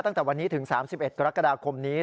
ตั้งแต่วันนี้ถึง๓๑กรกฎาคมนี้